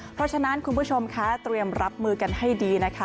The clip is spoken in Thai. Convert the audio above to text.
เพราะฉะนั้นคุณผู้ชมคะเตรียมรับมือกันให้ดีนะคะ